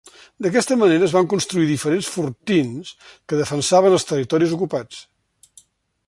D'aquesta manera es van construir diferents fortins que defensaven els territoris ocupats.